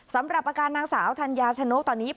สำหรับอาการนางสาวธัญญาชนกตอนนี้